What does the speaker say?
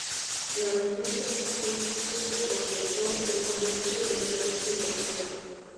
La región Centro-Sur siempre concentró el comercio y los servicios de la ciudad.